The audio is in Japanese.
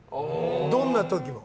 どんな時も。